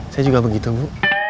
saya juga begitu bu